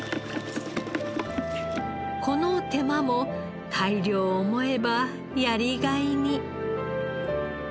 この手間も大漁を思えばやりがいに。